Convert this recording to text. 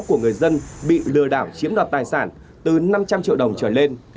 của người dân bị lừa đảo chiếm đoạt tài sản từ năm trăm linh triệu đồng trở lên